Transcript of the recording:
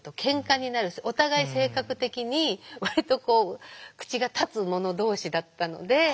お互い性格的に割とこう口が立つ者同士だったので。